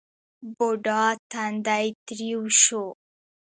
بوډا تندی ترېو شو.